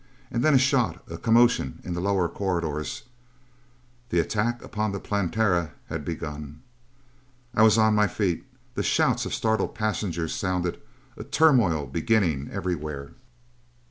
And then a shot: a commotion in the lower corridors.... The attack upon the Planetara had begun! I was on my feet. The shouts of startled passengers sounded, a turmoil beginning everywhere.